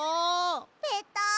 ペタン。